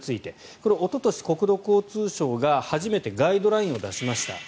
これはおととし、国土交通省が初めてガイドラインを出しました。